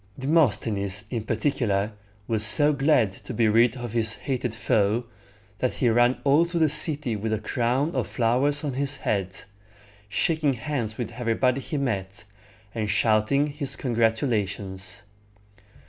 Demosthenes, in particular, was so glad to be rid of his hated foe, that he ran all through the city with a crown of flowers on his head, shaking hands with everybody he met, and shouting his congratulations.